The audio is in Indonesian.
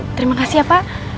terima kasih ya pak